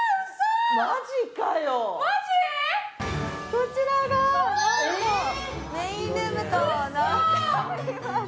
こちらがなんとメインルームとなっております。